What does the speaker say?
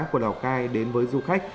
của lào cai đến với du khách